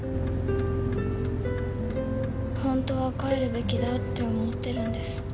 ホントは帰るべきだって思ってるんです